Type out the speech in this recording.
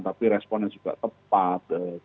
tapi responnya juga tepat